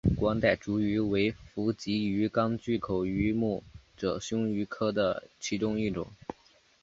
光带烛光鱼为辐鳍鱼纲巨口鱼目褶胸鱼科的其中一种。